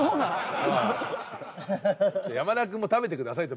山田君も食べてくださいって。